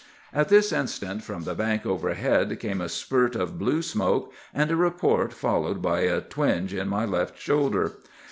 "At this instant, from the bank overhead, came a spurt of blue smoke and a report, followed by a twinge in my left shoulder.